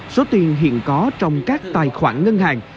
số tiền hiện có trong các tài khoản ngân hàng